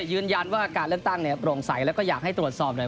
ยืนยันว่าการเลือกตั้งเนี่ยโปร่งใสแล้วก็อยากให้ตรวจสอบหน่อย